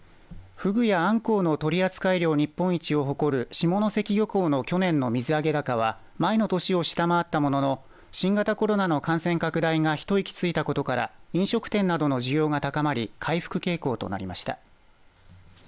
フグやアンコウの取扱量日本一を誇る下関漁港の去年の水揚げ高は前の年を下回ったものの新型コロナの感染拡大が一息ついたことから飲食店などの需要が高まり回復傾向となりました。